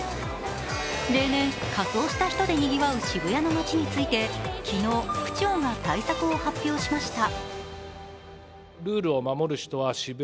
例年、仮装した人でにぎわう渋谷の街について昨日、区長が対策を発表しました。